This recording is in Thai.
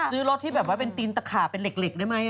ซื้อรถที่แบบว่าเป็นตีนตะขาบเป็นเหล็กได้ไหม